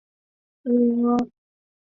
他们失去与休斯顿太空中心的通讯。